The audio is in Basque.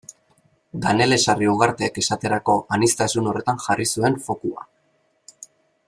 Danele Sarriugartek esaterako aniztasun horretan jarri zuen fokua.